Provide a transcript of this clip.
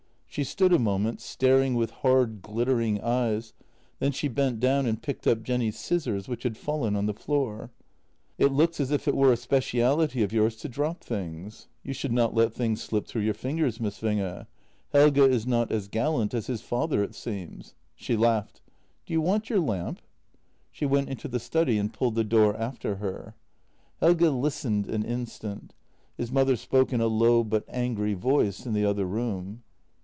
She stood a moment, staring with hard, glittering eyes, then she bent down and picked up Jenny's scissors, which had fallen on the floor. " It looks as if it were a speciality of yours to drop things. You should not let things slip through your fingers, Miss Winge. Helge is not as gallant as his father, it seems." She JENNY 147 laughed. "Do you want your lamp? .. She went into the study and pulled the door after her. Helge listened an instant — his mother spoke in a low but angry voice in the other room.